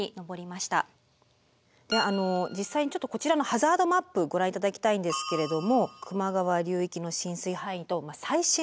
実際にちょっとこちらのハザードマップご覧頂きたいんですけれども球磨川流域の浸水範囲と最新のハザードマップ。